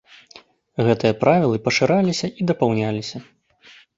Гэтыя правілы пашыраліся і дапаўняліся.